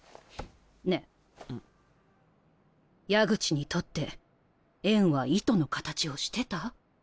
ねえ矢口にとって縁は糸の形をしてた？